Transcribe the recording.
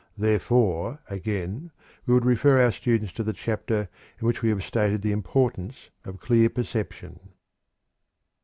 Therefore, again, we would refer our students to the chapter in which we have stated the importance of clear perception.